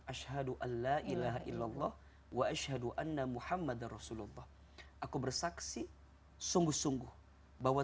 ashadualla ilahaillallah wa ashaduanna muhammad rasulullah aku bersaksi sungguh sungguh bahwa